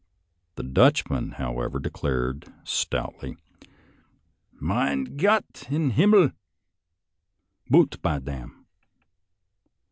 The Dutchman, however, declared stoutly :" Mine Gott in Himmel ! boot by tam!